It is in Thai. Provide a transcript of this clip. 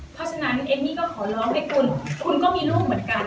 เพราะฉะนั้นเอมมี่ก็ขอร้องให้คุณคุณก็มีลูกเหมือนกัน